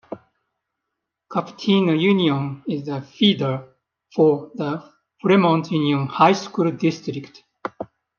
Cupertino Union is a feeder for the Fremont Union High School District.